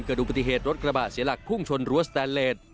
ดูปฏิเหตุรถกระบะเสียหลักพุ่งชนรั้วสแตนเลส